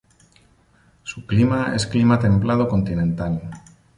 Su clima es clima templado continental.